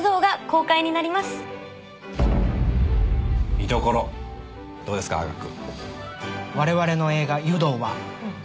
見どころどうですか岳君。